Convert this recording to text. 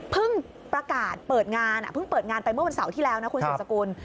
ประกาศเปิดงานเพิ่งเปิดงานไปเมื่อวันเสาร์ที่แล้วนะคุณสุดสกุล